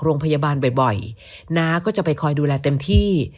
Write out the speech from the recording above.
โรงพยาบาลบ่อยน้าก็จะไปคอยดูแลเต็มที่